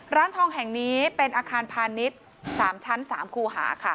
ร้านทองแห่งนี้เป็นอาคารพาณิชย์๓ชั้น๓คูหา